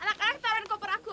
anak anak taroin koper aku oke